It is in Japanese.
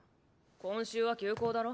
今週は休講だろ。